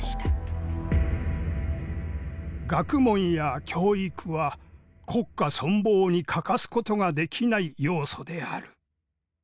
学問や教育は国家存亡に欠かすことができない要素である。